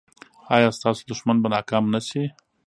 ایا ستاسو دښمن به ناکام نه شي؟